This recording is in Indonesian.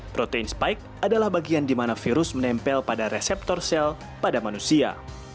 protein spike adalah bagian di mana virus menempel pada reseptor sel pada manusia